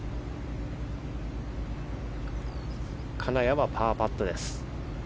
金谷はパーパットです。